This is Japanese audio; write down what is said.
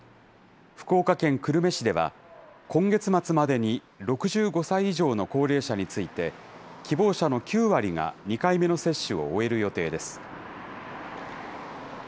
福岡県久留米市では、今月末までに６５歳以上の高齢者について、希望者の９割が２回目の接種を終える予定です。